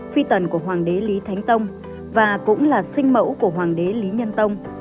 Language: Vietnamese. phi tần của hoàng đế lý thánh tông và cũng là sinh mẫu của hoàng đế lý nhân tông